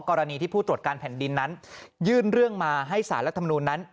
กรณีที่ผู้ตรวจการแผ่นดินนั้นยื่นเรื่องมาให้สารรัฐมนูลนั้น